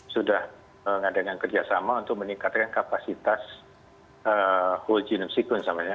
sudah mengadakan kerjasama untuk meningkatkan kapasitas whole genome sequence namanya